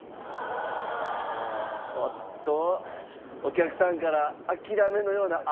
おっとお客さんから諦めのような「あ」が。